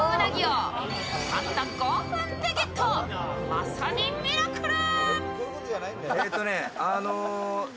まさにミラクル！